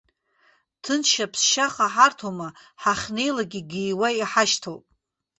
Ҭынч аԥсшьаха ҳарҭома, ҳахьнеилак игииуа иҳашьҭоуп!